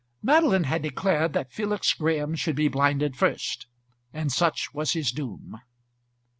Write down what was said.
Madeline had declared that Felix Graham should be blinded first, and such was his doom.